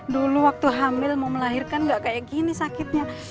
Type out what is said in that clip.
dulu waktu hamil mau melahirkan gak kayak gini sakitnya